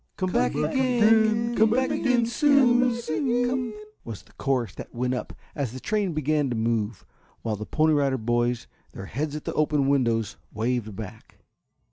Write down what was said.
"Come back again! Come back again soon," was the chorus that went up as the train began to move, while the Pony Rider Boys, their heads at the open windows, waved back.